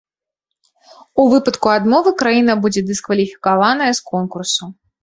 У выпадку адмовы краіна будзе дыскваліфікаваная з конкурсу.